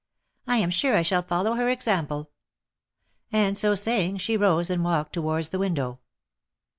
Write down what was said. " I am sure I shall follow her example;" and so saying, she rose and walked towards the window.